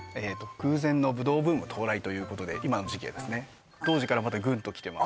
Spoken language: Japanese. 空前のぶどうブーム到来ということで今の時期はですね当時からまたグンときてます